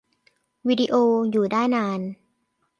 วีดิโออยู่ได้นาน